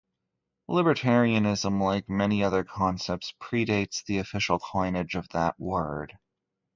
Libertarianism, like many other concepts, predates the official coinage of that word.